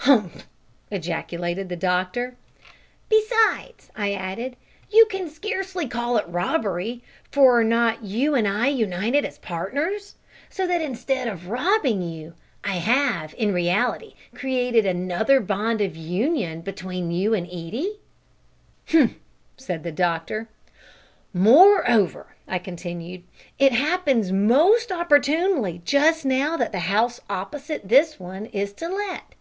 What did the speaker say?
"Humph!" ejaculated the doctor. "Besides," I added, "you can scarcely call it robbery, for are not you and I united as partners, so that instead of robbing you, I have, in reality, created another bond of union between you and Edie?" "H'm!" said the doctor. "Moreover," I continued, "it happens most opportunely just now that the house opposite this one is to let.